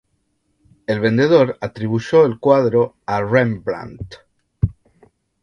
El vendedor atribuyó el cuadro a Rembrandt.